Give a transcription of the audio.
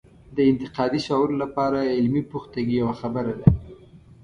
د انتقادي شعور لپاره علمي پختګي یوه خبره ده.